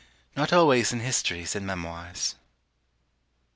Not always in histories and memoirs!